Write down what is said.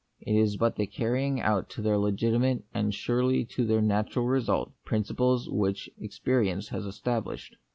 It is but the carrying out to their legitimate, and surely to their natural result, principles which experience has established.